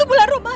aku mau ke rumah